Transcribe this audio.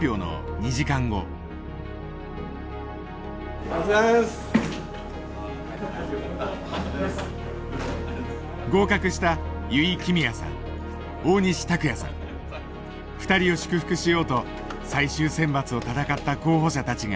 ２人を祝福しようと最終選抜を闘った候補者たちが駆けつけた。